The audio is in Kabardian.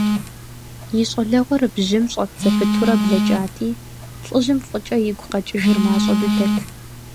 И щӀалэгъуэр бжьым щӀэт зэпытурэ блэкӀати, лӀыжьым фӀыкӀэ игу къэкӀыжыр мащӀэ дыдэт.